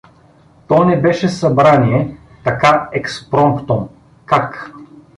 — То не беше събрание… Така, експромтом… — Как?